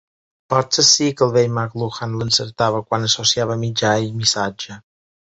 Potser sí que el vell McLuhan l'encertava quan associava mitjà i missatge.